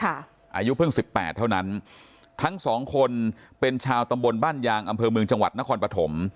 อายุเพิ่งสิบแปดเท่านั้นทั้งสองคนเป็นชาวตำบลบ้านยางอำเภอเมืองจังหวัดนครปฐม